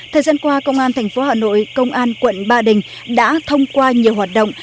thời gian qua công an tp hà nội công an quận ba đình đã thông qua nhiều hoạt động